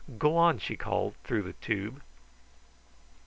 "Go on!" she called through the tube.